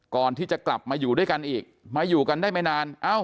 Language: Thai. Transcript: ก่อนที่จะกลับมาอยู่ด้วยกันอีกมาอยู่กันได้ไม่นานเอ้า